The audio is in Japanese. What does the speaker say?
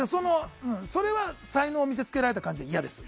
それは才能を見せつけられた感じで嫌です！